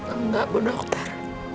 enggak bu dokter